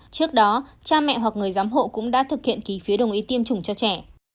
trước đó cha mẹ hoặc người giám hộ cũng đã thực hiện ký phía đồng ý tiêm chủng cho trẻ